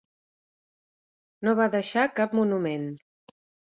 No va deixar cap monument.